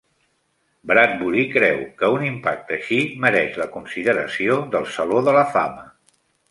Bradbury creu que un impacte així mereix la consideració del Saló de la fama.